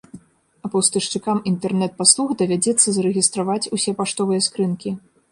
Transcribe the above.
А пастаўшчыкам інтэрнэт-паслуг давядзецца зарэгістраваць усе паштовыя скрынкі.